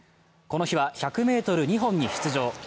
この日は１００ｍ、２本に出場。